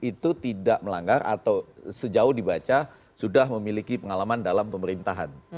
itu tidak melanggar atau sejauh dibaca sudah memiliki pengalaman dalam pemerintahan